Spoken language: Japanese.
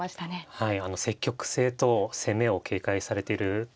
はい。